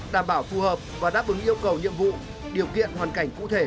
đảm bảo phù hợp và đáp ứng yêu cầu nhiệm vụ điều kiện hoàn cảnh cụ thể